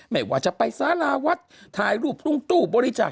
ไม่ว่าจะไปสาราวัดถ่ายรูปตรงตู้บริจาค